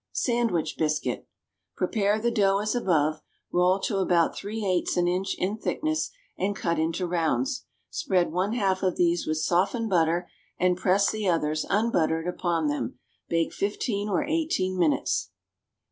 =Sandwich Biscuit.= Prepare the dough as above, roll to about three eighths an inch in thickness, and cut into rounds. Spread one half of these with softened butter, and press the others, unbuttered, upon them; bake fifteen or eighteen minutes.